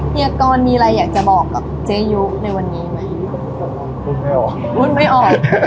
เฮียก่อนมีอะไรอยากจะบอกกับเจ๊ยุในวันนี้ไหมพูดไม่ออก